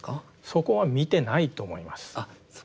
そこは見てないと思います。